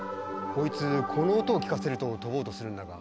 こいつこの音を聞かせると飛ぼうとするんだが。